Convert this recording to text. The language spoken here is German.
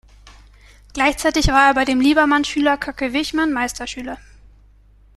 Gleichzeitig war er bei dem Liebermann-Schüler Köcke-Wichmann Meisterschüler.